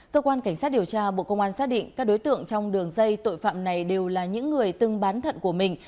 cơ quan cảnh sát điều tra bộ công an xác định các đối tượng trong đường dây tội phạm này đều là những người từng bán thận của mình